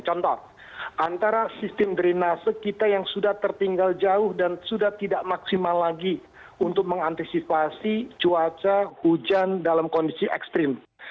contoh antara sistem drenase kita yang sudah tertinggal jauh dan sudah tidak maksimal lagi untuk mengantisipasi cuaca hujan dalam kondisi ekstrim